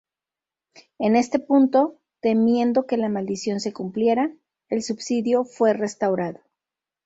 En este punto, temiendo que la maldición se cumpliera, el Subsidio fue restaurado.